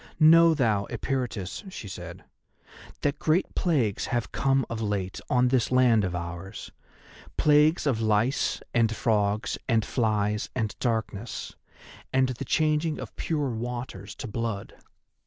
"Know thou, Eperitus," she said, "that great plagues have come of late on this land of ours—plagues of lice and frogs and flies and darkness, and the changing of pure waters to blood.